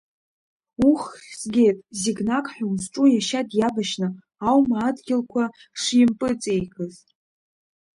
Уххь згеит, Зегнак ҳәа узҿу иашьа диабашьны аума адгьылқәа шимпыҵеикыз?